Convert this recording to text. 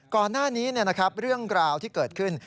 ก่อนหน้านี้เรื่องราวที่เกิดขึ้น